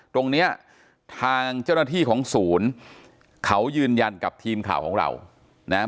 ตรงเนี้ยทางเจ้าหน้าที่ของศูนย์เขายืนยันกับทีมข่าวของเรานะฮะ